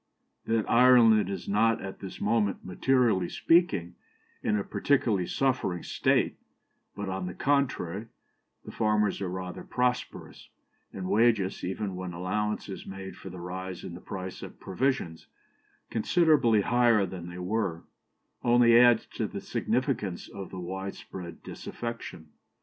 "... That Ireland is not at this moment, materially speaking, in a particularly suffering state, but, on the contrary, the farmers are rather prosperous, and wages, even when allowance is made for the rise in the price of provisions, considerably higher than they were, only adds to the significance of this widespread disaffection.